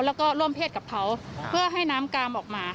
แล้วก็ร่วมเพศกับเขาเพื่อให้น้ำกามออกมา